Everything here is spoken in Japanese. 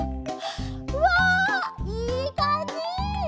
うわいいかんじ！